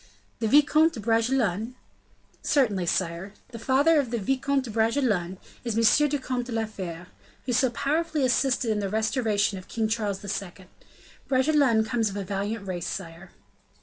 "The Vicomte de Bragelonne?" "Certainly, sire. The father of the Vicomte de Bragelonne is M. le Comte de la Fere, who so powerfully assisted in the restoration of King Charles II. Bragelonne comes of a valiant race, sire."